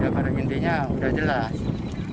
ya pada intinya udah jelas